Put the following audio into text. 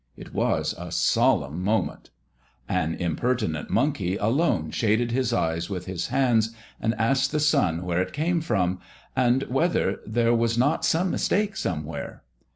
It was a solemn moment! An impertinent monkey alone shaded his eyes with his hands, and asked the sun where it came from, and whether there was not some mistake somewhere?